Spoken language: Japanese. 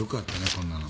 こんなの。